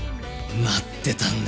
待ってたんだ！